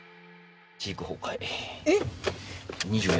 えっ！？